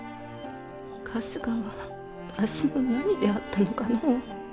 春日はわしの何であったのかの。